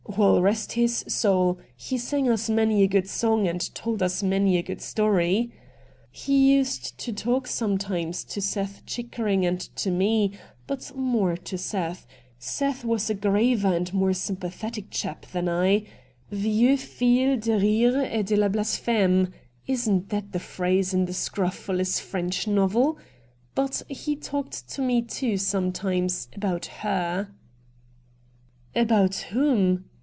WeU — rest his soul! — he sang us many a good song and told us many a good story. He used to talk sometimes to Seth Chickering and to me, but more to Seth — Seth was a graver and more sympathetic chap than I — I vieux jils de rire et de blaspheme — isn't that the phrase in the scrofulous French novel ?— but he talked to me too sometimes — abou her' ' About whom